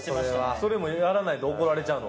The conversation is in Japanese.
それやらないと怒られちゃうの？